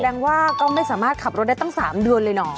แสดงว่าก็ไม่สามารถขับรถได้ตั้ง๓เดือนเลยเหรอ